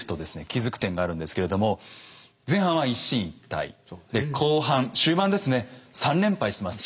気付く点があるんですけれども前半は一進一退で後半終盤ですね３連敗してます。